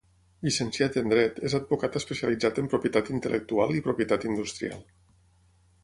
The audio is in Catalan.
Llicenciat en dret, és advocat especialitzat en propietat intel·lectual i propietat industrial.